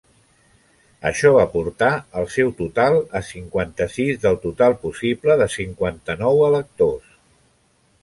Això va portar el seu total a cinquanta-sis del total possible de cinquanta-nou electors.